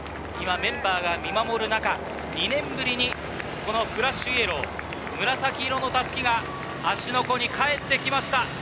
メンバーが見守る中、２年ぶりにフラッシュイエロー、紫色の襷が芦ノ湖に帰ってきました。